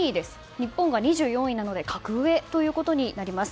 日本が２４位なので格上となります。